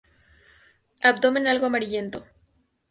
Abdomen algo amarillento.